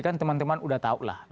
kan teman teman udah tahu lah